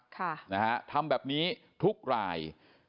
ค่ะนะฮะทำแบบนี้ทุกราย